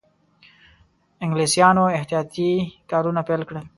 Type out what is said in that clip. انګلیسیانو احتیاطي کارونه پیل کړل.